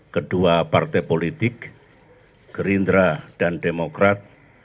kedua partai politik gerindra dan demokrat